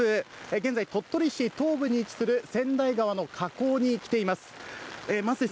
現在、鳥取市東部に位置する、せんだい川の河口に来ています。